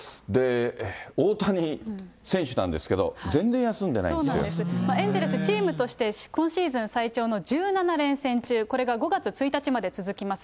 大谷選手なんですけど、エンゼルス、チームとして今シーズン最長の１７連戦中、これが５月１日まで続きます。